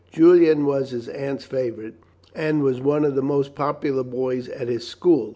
Julian was his aunt's favourite, and was one of the most popular boys at his school.